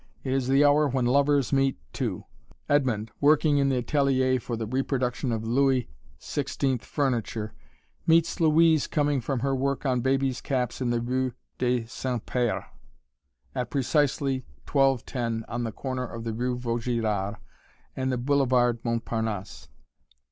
It is the hour when lovers meet, too. Edmond, working in the atelier for the reproduction of Louis XVI furniture, meets Louise coming from her work on babies' caps in the rue des Saints Pères at precisely twelve ten on the corner of the rue Vaugirard and the Boulevard Montparnasse.